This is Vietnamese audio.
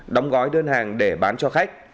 đóng gói đơn hàng để bán cho khách